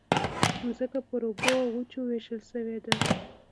مځکه پر اوبو او وچو وېشل شوې ده.